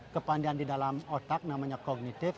kepandian di dalam otak namanya kognitif